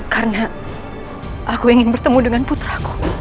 karena aku ingin bertemu dengan putraku